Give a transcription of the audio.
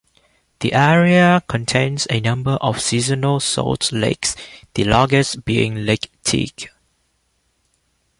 The area contains a number of seasonal salt lakes, the largest being Lake Teague.